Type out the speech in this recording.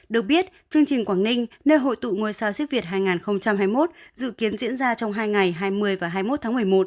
được biết chương trình quảng ninh nơi hội tụ ngôi sao siếc việt hai nghìn hai mươi một dự kiến diễn ra trong hai ngày hai mươi và hai mươi một tháng một mươi một